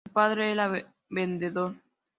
Su padre era vendedor.